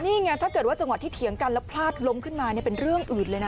นี่ไงถ้าเกิดว่าจังหวะที่เถียงกันแล้วพลาดล้มขึ้นมาเป็นเรื่องอื่นเลยนะ